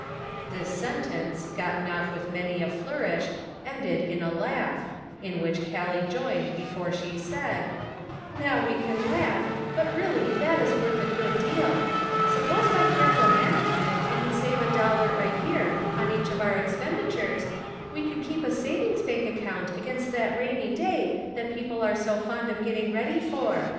" This sentence, gotten off with many a flour ish, ended in a laugh, in which Gallic joined before she said: " Now we can laugh, but really that is worth a good deal ; suppose by careful management we can save a dollar a year on each of our ex penditures, we could keep a savings bank ac count against the rainy day that people are so fond of getting ready for.